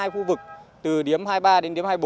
hai khu vực từ điếm hai mươi ba đến điếm hai mươi bốn